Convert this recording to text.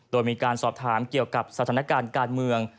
โดยมีการสอบถามเกี่ยวกับสถานการณ์การเมือง